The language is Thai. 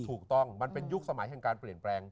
ถูกต้องมันเป็นยุคสมัยแห่งการเปลี่ยนแปลง